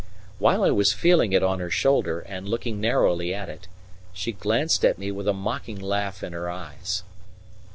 While I was feeling it on her shoulder and looking narrowly at it, she glanced at me with a mocking laugh in her eyes.